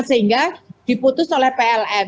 sehingga diputus oleh pln